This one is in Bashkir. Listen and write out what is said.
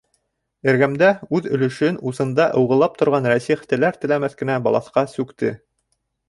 Эргәмдә үҙ өлөшөн усында ыуғылап торған Рәсих теләр-теләмәҫ кенә балаҫҡа сүкте.